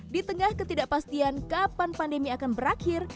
di tengah ketidakpastian kapan pandemi akan berakhir